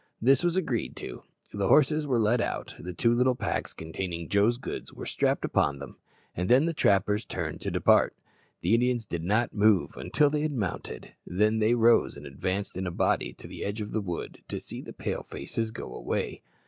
This was agreed to. The horses were led out, the two little packs containing Joe's goods were strapped upon them, and then the trappers turned to depart. The Indians did not move until they had mounted; then they rose and advanced in a body to the edge of the wood, to see the Pale faces go away.